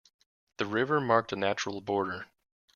The river marked a natural border.